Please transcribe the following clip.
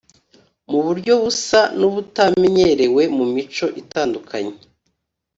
Mu buryo busa n’ubutamenyerewe mu mico itandukanye